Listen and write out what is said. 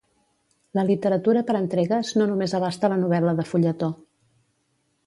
La literatura per entregues no només abasta la novel·la de fulletó.